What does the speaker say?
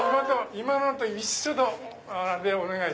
今のと一緒でお願いします。